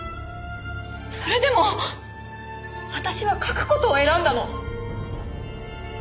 それでも私は書く事を選んだの。